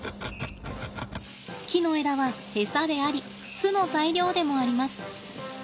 木の枝は餌であり巣の材料でもあります。